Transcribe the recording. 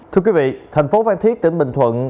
thưa quý vị thành phố phan thiết tỉnh bình thuận